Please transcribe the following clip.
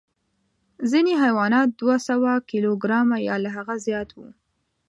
ځینې حیوانات دوه سوه کیلو ګرامه یا له هغه زیات وو.